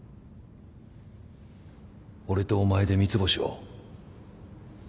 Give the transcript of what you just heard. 俺とお前で三ツ星を。